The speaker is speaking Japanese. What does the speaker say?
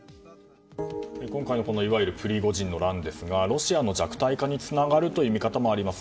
今回のいわゆるプリゴジンの乱ですがロシアの弱体化につながるという見方もあります。